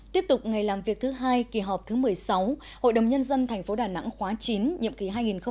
tiếp tục ngày làm việc thứ hai kỳ họp thứ một mươi sáu hội đồng nhân dân tp đà nẵng khóa chín nhiệm kỳ hai nghìn một mươi sáu hai nghìn hai mươi một